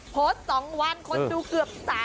โพสต์สองวันคนดูเกือบ